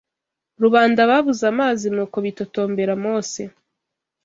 Rubanda babuze amazi Nuko bitotombera Mose